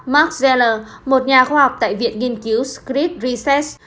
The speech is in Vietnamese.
mark zeller một nhà khoa học tại viện nghiên cứu scripps research